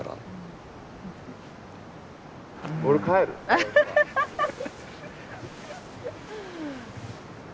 アハハハッ！